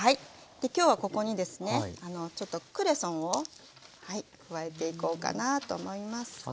今日はここにですねちょっとクレソンを加えていこうかなと思います。